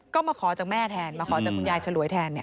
ก็มาขอจากแม่แทนมาขอจากคุณยายฉลวยแทน